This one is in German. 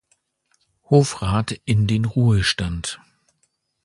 Hofrath“ in den Ruhestand.